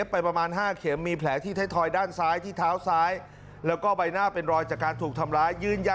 เขาบอกว่ามีแล้วเปล่าเขาก็ตายผม